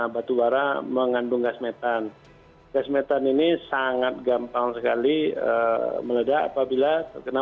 batu bara mengandung gas metan gas metan ini sangat gampang sekali meledak apabila terkena